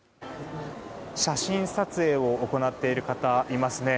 写真撮影を行っている方いますね。